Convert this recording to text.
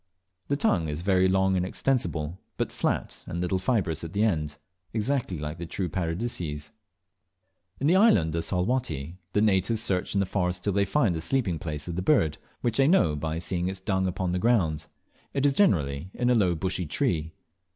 The tongue is very long and extensible, but flat and little fibrous at the end, exactly like the true Paradiseas. In the island of Salwatty, the natives search in the forests till they find the sleeping place of this bird, which they know by seeing its dung upon the ground. It is generally in a low bushy tree.